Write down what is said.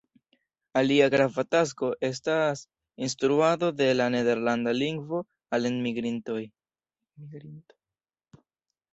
Alia grava tasko estas instruado de la nederlanda lingvo al enmigrintoj.